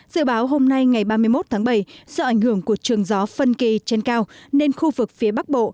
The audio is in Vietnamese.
dự báo hôm nay ngày ba mươi một tháng bảy do ảnh hưởng của trường gió phân kỳ trên cao nên khu vực phía bắc bộ